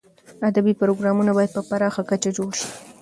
ادبي پروګرامونه باید په پراخه کچه جوړ شي.